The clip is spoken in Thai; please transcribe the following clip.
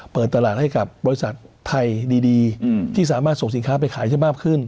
เปิดตลาดให้กับบริษัทไทยดีที่สามารถส่งสินค้าไปขายได้มากขึ้น